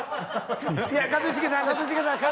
いや一茂さんです。